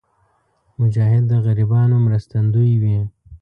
مجاهد د غریبانو مرستندوی وي.